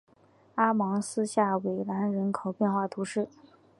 阿芒斯下韦兰人口变化图示